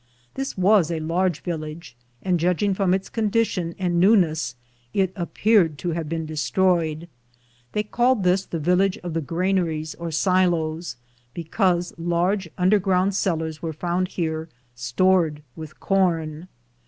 This was a large village, and judging from its condition and newness it appeared to have been destroyed. They called this the village of the granaries or silos, because large underground cellars were found here stored with corn.